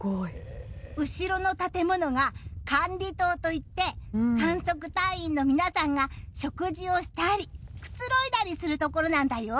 後ろの建物が管理棟といって観測隊員の皆さんが食事をしたりくつろいだりするところなんだよ。